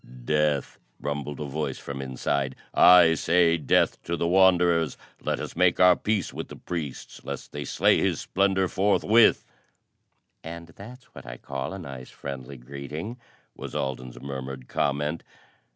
"Death!" rumbled a voice from inside. "I say death to the Wanderers! Let us make our peace with the priests, lest they slay His Splendor forthwith." "And that's what I call a nice friendly greeting," was Alden's murmured comment.